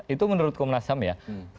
itu menurut komnas ham ya